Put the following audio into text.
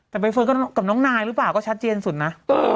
แต่ใบเฟิร์นกับน้องนายหรือเปล่าก็ชัดเจนสุดนะ